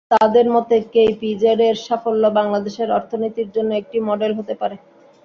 তাঁদের মতে, কেইপিজেডের সাফল্য বাংলাদেশের অর্থনীতির জন্য একটি মডেল হতে পারে।